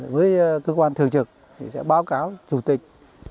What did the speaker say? với cơ quan thường trực thì sẽ báo cáo chủ tịch